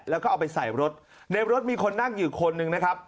แล้วก็เอาไปใส่รถในรถมีคนนั่งอยู่คนหนึ่งนะครับ